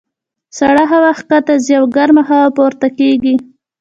سړه هوا ښکته ځي او ګرمه هوا پورته کېږي.